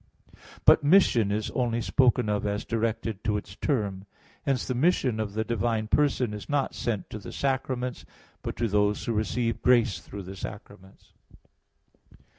But mission is only spoken of as directed to its term. Hence the mission of the divine person is not sent to the sacraments, but to those who receive grace through the sacraments.